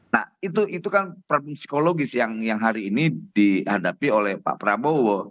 nah itu kan problem psikologis yang hari ini dihadapi oleh pak prabowo